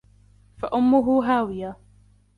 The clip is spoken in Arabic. فَأُمُّهُ هَاوِيَةٌ